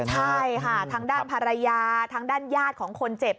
ใช่ค่ะทางด้านภรรยาทางด้านญาติของคนเจ็บ